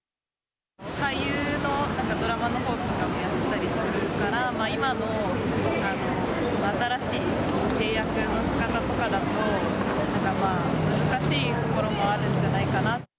俳優の、なんかドラマのほうとかもやってたりするから、今の新しい契約のしかたとかだと、難しいところもあるんじゃないかなって。